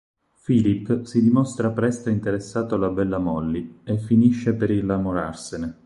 Philip si dimostra presto interessato alla bella Molly e finisce per innamorarsene.